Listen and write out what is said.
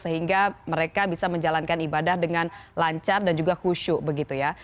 sehingga mereka bisa menjalankan ibadah dengan lancar dan juga khusyuk begitu ya